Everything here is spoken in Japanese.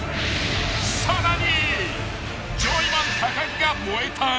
［さらに］